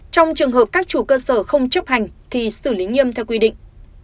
trong trường hợp các chủ cơ sở không chấp hành thì xử lý nghiêm theo quy định